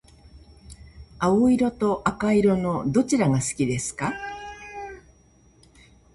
青色と赤色のどちらが好きですか？